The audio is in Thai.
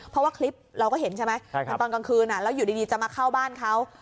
เพราะว่าคลิปเราก็เห็นใช่ไหมมันตอนกลางคืนแล้วอยู่ดีจะมาเข้าบ้านเขา